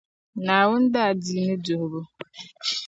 Naawuni daadiini duhibu.